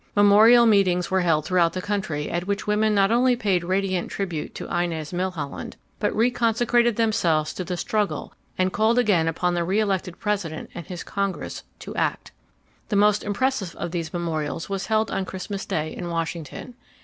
Memorial meetings were held throughout the country at which women not only paid radiant tribute to Inez Milholland, but reconsecrated themselves to the struggle and called again upon the reelected President and his Congress to act. The most impressive of these memorials was held on Christmas Day in Washington.